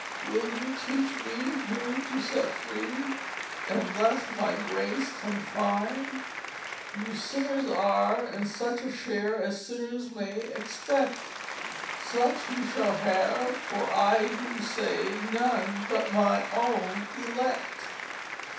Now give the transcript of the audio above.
Will you teach me whom to set free and thus my Grace confine? You sinners are, and such a share as sinners may expect; Such you shall have; for I do save none but my own Elect.